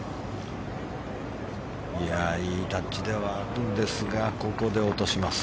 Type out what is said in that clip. いいタッチではあるんですがここで落とします。